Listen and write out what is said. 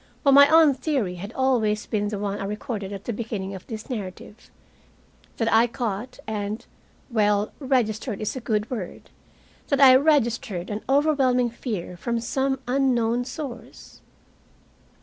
But my own theory had always been the one I recorded at the beginning of this narrative that I caught and well, registered is a good word that I registered an overwhelming fear from some unknown source.